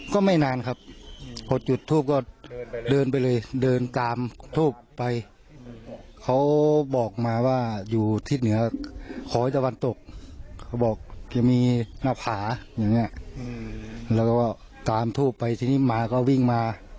เขาบอกจะมีหน้าผาแล้วก็ตามทูบไปที่นี่หมาก็วิ่งมา